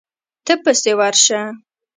ته پسې ورشه.